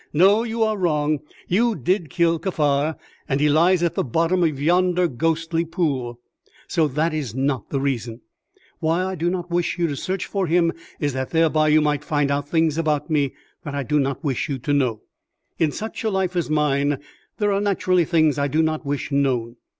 "No, you are wrong. You did kill Kaffar, and he lies at the bottom of yonder ghostly pool; so that is not the reason. Why I do not wish you to search for him is that thereby you might find out things about me that I do not wish you to do. In such a life as mine there are naturally things that I do not wish known.